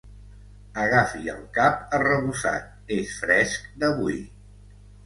Agafi el cap arrebossat, és fresc d'avui.